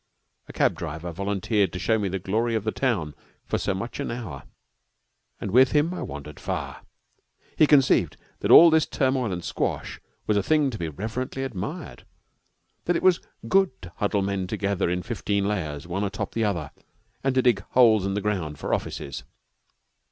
A cab driver volunteered to show me the glory of the town for so much an hour, and with him I wandered far. He conceived that all this turmoil and squash was a thing to be reverently admired, that it was good to huddle men together in fifteen layers, one atop of the other, and to dig holes in the ground for offices.